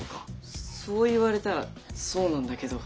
そう言われたらそうなんだけど。